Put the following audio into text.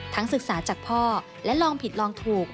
ศึกษาจากพ่อและลองผิดลองถูก